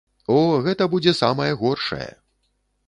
О, гэта будзе самае горшае.